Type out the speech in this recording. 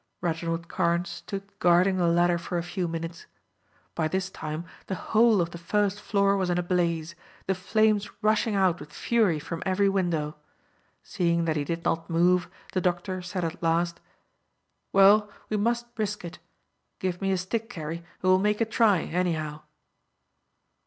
Reginald Carne stood guarding the ladder for a few minutes. By this time the whole of the first floor was in a blaze, the flames rushing out with fury from every window. Seeing that he did not move, the doctor said at last: "Well, we must risk it. Give me a stick, Carey, and we will make a try, anyhow."